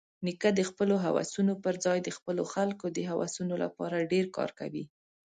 نیکه د خپلو هوسونو پرځای د خپلو خلکو د هوسونو لپاره ډېر کار کوي.